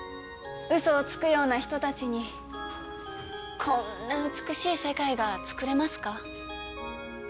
うそをつくような人たちにこんな美しい世界が作れますか？